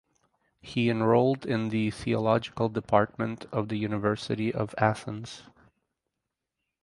He enrolled in the Theological Department of the University of Athens.